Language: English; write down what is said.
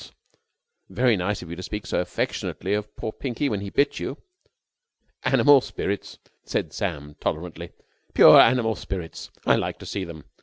it's very nice of you to speak so affectionately of poor Pinky when he bit you." "Animal spirits!" said Sam tolerantly. "Pure animal spirits! I like to see them.